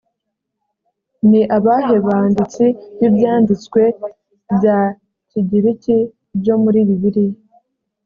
ni abahe banditsi b’ibyanditswe bya kigiriki byo muri bibiliya‽